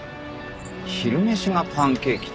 昼飯がパンケーキって。